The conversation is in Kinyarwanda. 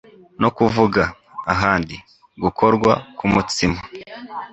no kuvuga (ahandi) gukorwa k'umutsima